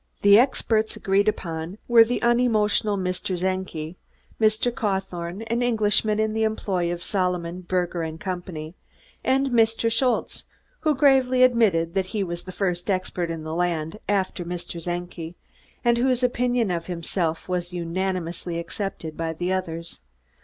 The experts agreed upon were the unemotional Mr. Czenki, Mr. Cawthorne, an Englishman in the employ of Solomon, Berger and Company, and Mr. Schultze, who gravely admitted that he was the first expert in the land, after Mr. Czenki, and whose opinion of himself was unanimously accepted by the others.